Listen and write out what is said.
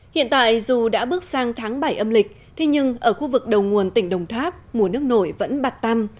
hiện tại dù đã bước sang tháng bảy âm lịch thế nhưng ở khu vực đầu nguồn tỉnh đồng tháp mùa nước nổi vẫn bạt tăm